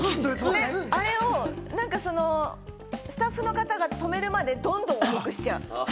あれをスタッフの方が止めるまで、どんどん重くしちゃう。